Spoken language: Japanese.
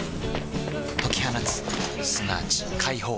解き放つすなわち解放